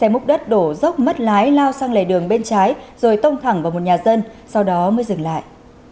một dốc mất lái lao sang lề đường bên trái rồi tông thẳng vào một nhà dân sau đó mới dừng lại